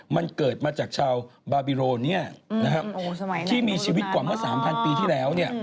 มันเกิดมาจากชาวบาบิโรที่มีชีวิตกว่าเมื่อ๓๐๐ปีที่แล้ว